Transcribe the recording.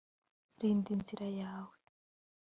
rinda inzira yawe